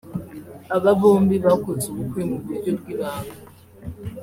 Aba bombi bakoze ubukwe mu buryo bw’ibanga